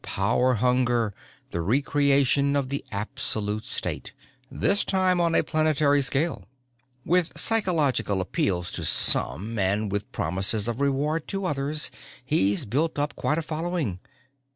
Power hunger, the recreation of the Absolute State, this time on a planetary scale. "With psychological appeals to some and with promises of reward to others he's built up quite a following.